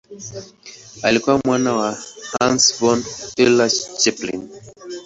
Alikuwa mwana wa Hans von Euler-Chelpin.